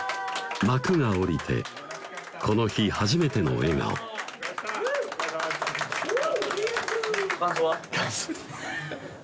幕が下りてこの日初めての笑顔感想は？